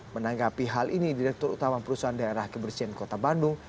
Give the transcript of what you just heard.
menanggapi hal ini direktur utama perusahaan daerah kebersihan kota bandung